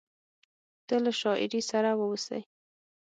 ته له شاعري سره واوسې…